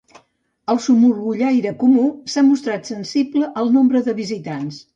El somorgollaire comú s'ha mostrat sensible al nombre de visitants.